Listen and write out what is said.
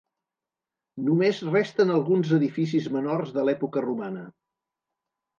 Només resten alguns edificis menors de l'època romana.